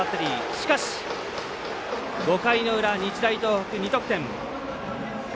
しかし、５回の裏日大東北２得点。